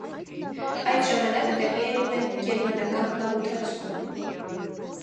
Այդ ժամանակ տեղի էր ունենում գերմանական գաղութացում։